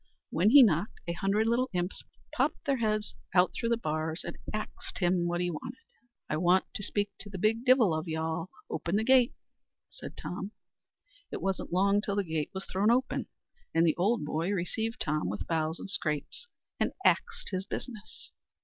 When he knocked, a hundred little imps popped their heads out through the bars, and axed him what he wanted. "I want to speak to the big divil of all," says Tom; "open the gate." It wasn't long till the gate was thrune open, and the Ould Boy received Tom with bows and scrapes, and axed his business.